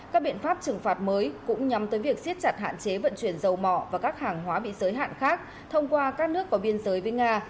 các biện pháp trừng phạt mới cũng nhằm tới việc siết chặt hạn chế vận chuyển dầu mỏ và các hàng hóa bị giới hạn khác thông qua các nước có biên giới với nga